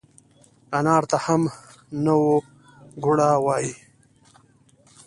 انار ته هم نووګوړه وای